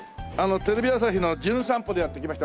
テレビ朝日の『じゅん散歩』でやって来ました